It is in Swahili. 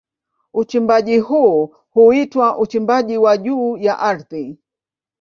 Uchimbaji huu huitwa uchimbaji wa juu ya ardhi.